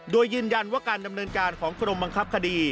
โดยยืนยันว่าการดำเนินการของกรมบังคับคดี